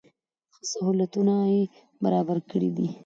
ښه سهولتونه یې برابر کړي دي.